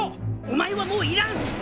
お前はもういらん！